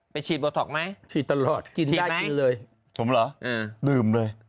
ฉีดโบท็อกไหมฉีดตลอดกินไหมกินเลยผมเหรอดื่มเลย